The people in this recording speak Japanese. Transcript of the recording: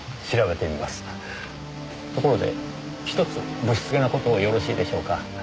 ところでひとつ不躾な事をよろしいでしょうか？